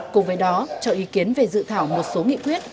cùng với đó cho ý kiến về dự thảo một số nghị quyết